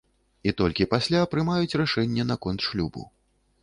І толькі пасля прымаць рашэнне наконт шлюбу.